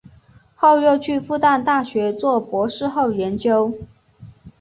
后又去复旦大学做博士后研究。